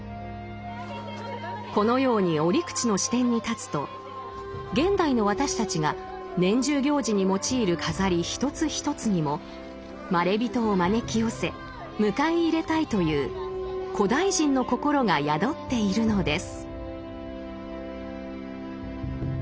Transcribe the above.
このように折口の視点に立つと現代の私たちが年中行事に用いる飾り一つ一つにもまれびとを招き寄せ迎え入れたいという古代人の心が宿っているのです。